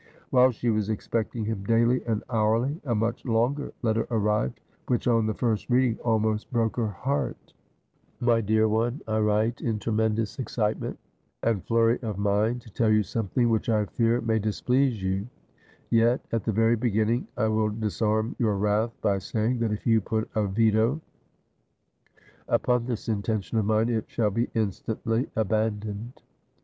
While she was expecting him daily and hourly, a much longer letter arrived, which on the first reading almost broke her heart :' My dear One, — I write in tremendous excitement and flurry of mind to tell you something which I fear may displease you ; yet at the very beginning I will disarm your wrath by saying that if you put a veto upon this intention of mine it shall be instantly abandoned.